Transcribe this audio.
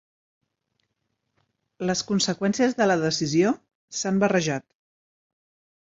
Les conseqüències de la decisió s'han barrejat.